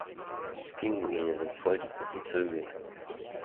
Pinguine sind voll die guten Vögel.